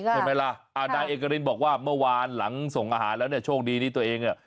ใช่ไหมล่ะอ่านายเอกรินบอกว่าเมื่อวานหลังส่งอาหารแล้วเนี่ยโชคดีที่ตัวเองอ่ะ